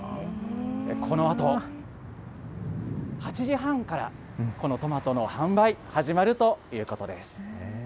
このあと８時半から、このトマトの販売、始まるということです。